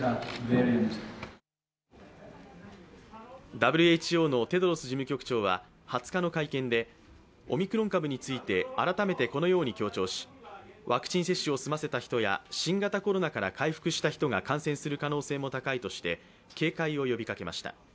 ＷＨＯのテドロス事務局長は２０日の会見で、オミクロン株について改めてこのように強調しワクチン接種を済ませた人や新型コロナから回復した人が感染する可能性も高いとして警戒を呼びかけました。